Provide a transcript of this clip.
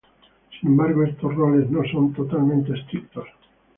Sin embargo, estos roles no son totalmente estrictos.